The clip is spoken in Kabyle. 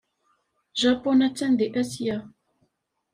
Japun attan deg Asya.